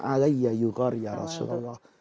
alayya yukhar ya rasulullah